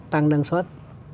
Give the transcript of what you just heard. tăng năng suất